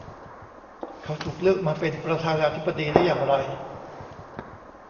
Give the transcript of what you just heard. เขาถูกเลือกมาเป็นประธานาธิบดีได้อย่างไร ?